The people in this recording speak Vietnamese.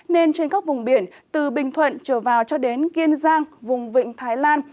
nên trên các vùng biển từ bình thuận trở vào cho đến kiên giang vùng vịnh thái lan